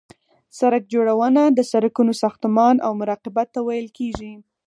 سرک جوړونه د سرکونو ساختمان او مراقبت ته ویل کیږي